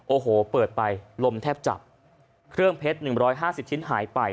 โอ้โหเปิดไปลมแทบจับเครื่องเพชร๑๕๐ชิ้นหายไป